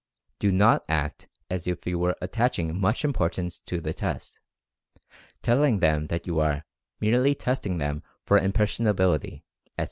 Do not act as if you were attaching much importance to the test, telling them that you are "merely testing them for impressionability," etc.